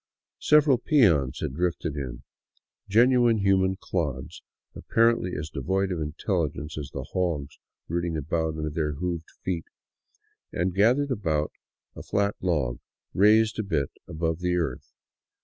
Several peons had drifted in, genuine human clods, apparently as devoid of intelligence as the hogs rooting about under their hoofed feet, and gathered about a flat log raised a bit above the earth.